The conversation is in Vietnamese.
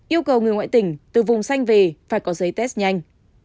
yêu cầu người ngoại tỉnh từ vùng xanh về phải có giấy test nhanh